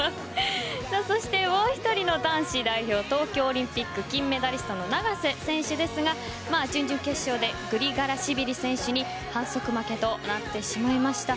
そしてもう１人の男子代表東京オリンピック金メダリストの永瀬選手ですが準々決勝でグリガラシビリ選手に反則負けとなってしまいました。